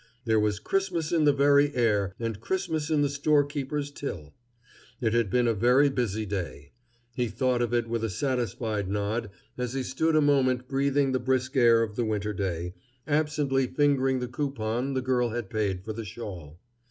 There was Christmas in the very air and Christmas in the storekeeper's till. It had been a very busy day. He thought of it with a satisfied nod as he stood a moment breathing the brisk air of the winter day, absently fingering the coupon the girl had paid for the shawl.